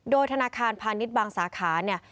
โดยธนาคารพาณิชย์บางสาขาเนี่ย